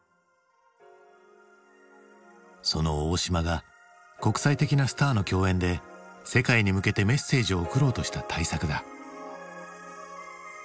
その大島が国際的なスターの共演で世界に向けてメッセージを送ろうとした大作だ。